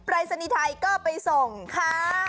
รายศนีย์ไทยก็ไปส่งค่ะ